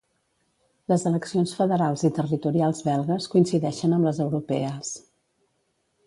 Les eleccions federals i territorials belgues coincideixen amb les europees.